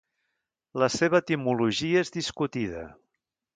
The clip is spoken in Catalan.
La seva etimologia és discutida.